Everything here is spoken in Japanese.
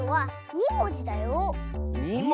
２もじ？